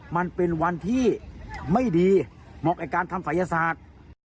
มันเป็นวันที่ไม่ดีเหมาะกับการทำศัยศาสตร์